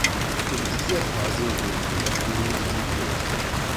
In dieser Phase wurden die Häftlinge isoliert.